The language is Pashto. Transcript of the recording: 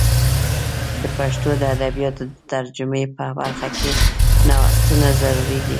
د پښتو د ادبیاتو د ترجمې په برخه کې نوښتونه ضروري دي.